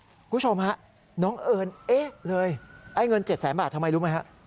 คุณผู้ชมฮะน้องเอิญเอ๊ะเลยไอ้เงิน๗แสนบาททำไมรู้ไหมฮะ